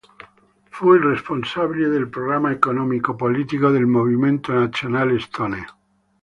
Fu il responsabile del programma economico-politico del movimento nazionale estone.